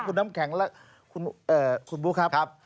คุณน้ำแข็งและคุณบุ๊คครับ